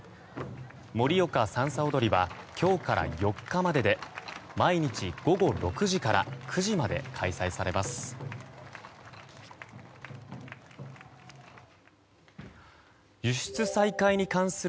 盛岡さんさ踊りは今日から４日までで毎日午後６時から９時まで開催されます。